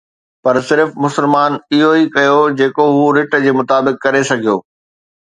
پر صرف مسلمان اهو ئي ڪيو جيڪو هو رٿ جي مطابق ڪري سگهيو